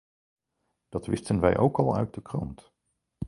Dat wisten wij ook al uit de krant.